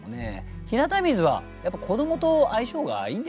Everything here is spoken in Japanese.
「日向水」はやっぱり子どもと相性がいいんですかね。